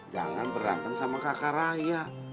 jangan berantem sama kakak saya